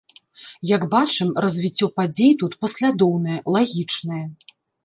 Як бачым, развіццё падзей тут паслядоўнае, лагічнае.